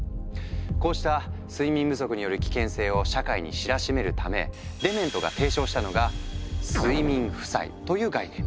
こうした睡眠不足による危険性を社会に知らしめるためデメントが提唱したのが「睡眠負債」という概念。